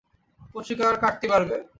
পত্রিকার কাটতি বাড়বে।